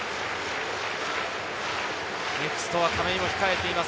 ネクストは亀井も控えています。